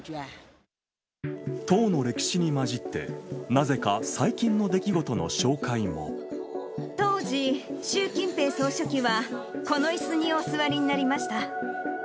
党の歴史に交じって、なぜか当時、習近平総書記はこのいすにお座りになりました。